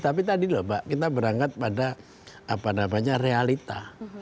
tapi tadi loh pak kita berangkat pada realita